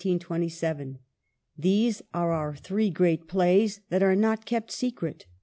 These are our three great plays that are not kept secret.